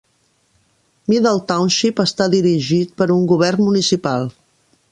Middle Township està dirigit per un govern municipal.